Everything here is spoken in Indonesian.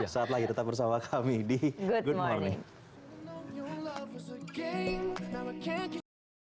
sesaat lagi tetap bersama kami di good morning